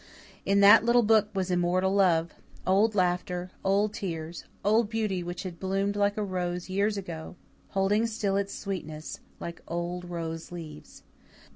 In that little book was immortal love old laughter old tears old beauty which had bloomed like a rose years ago, holding still its sweetness like old rose leaves.